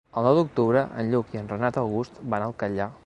El nou d'octubre en Lluc i en Renat August van al Catllar.